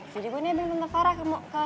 jadi gue nyambil tante farah ke